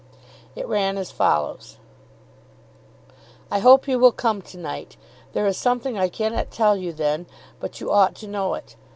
It ran as follows: I hope you will come to night. There is something I cannot tell you then, but you ought to know it.